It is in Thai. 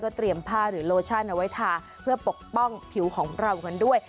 เตรียมผ้าหรือโลชั่นเอาไว้ทาเพื่อปกป้องผิวของเรากันด้วย